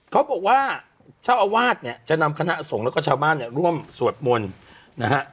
เขาบอกว่าเจ้าอาวาสเนี่ยจะนำคณะสงฆ์แล้วก็ชาวบ้านเนี่ยร่วมสวดมนต์นะฮะ